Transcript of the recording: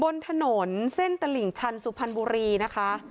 บนถนนเส้นตลิ่งชันสุพรรณบุรีนะคะ